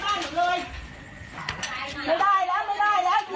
มันแหละเลยพี่ไล่แปรช